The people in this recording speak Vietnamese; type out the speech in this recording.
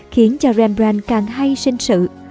khiến cho rembrandt càng hay sinh sự